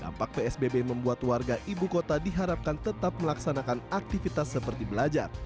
dampak psbb membuat warga ibu kota diharapkan tetap melaksanakan aktivitas seperti belajar